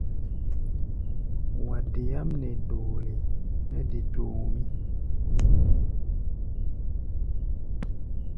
Wa deáʼm nɛ doole mɛ de tomʼí.